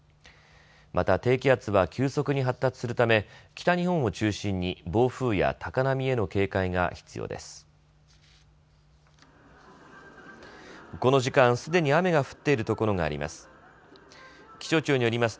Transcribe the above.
また、低気圧は急速に発達するため北日本を中心に暴風や高波への警戒が必要です。